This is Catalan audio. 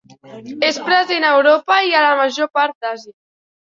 És present a Europa i a la major part d'Àsia.